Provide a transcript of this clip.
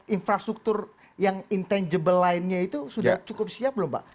infrastruktur yang intangible lainnya itu sudah cukup siap belum pak